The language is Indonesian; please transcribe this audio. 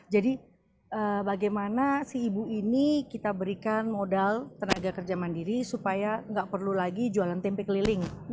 jadi bagaimana si ibu ini kita berikan modal tenaga kerja mandiri supaya gak perlu lagi jualan tempe keliling